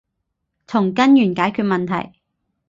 從根源解決問題